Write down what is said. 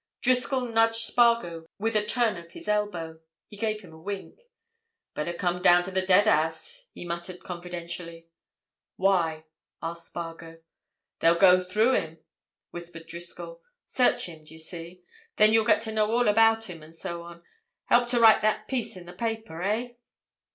Driscoll nudged Spargo with a turn of his elbow. He gave him a wink. "Better come down to the dead house," he muttered confidentially. "Why?" asked Spargo. "They'll go through him," whispered Driscoll. "Search him, d'ye see? Then you'll get to know all about him, and so on. Help to write that piece in the paper, eh?"